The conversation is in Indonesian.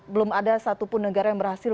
belum ada satupun negara yang berhasil